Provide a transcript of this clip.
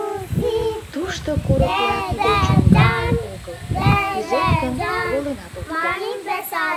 Тушто курыкла тиде чоҥга гай огыл: кӱзет гын, воленат от керт...